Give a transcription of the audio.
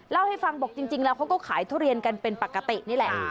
เล่าให้ฟังบอกจริงแล้วเขาก็ขายทุเรียนกันเป็นปกตินี่แหละ